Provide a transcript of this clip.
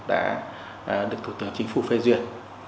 đã được thủ tướng chính phủ phê duyệt